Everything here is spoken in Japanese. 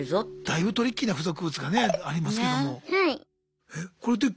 だいぶトリッキーな付属物がねありますけども。